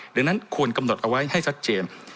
ดังนั้นควรกำหนดเอาไว้ให้ชัดเจน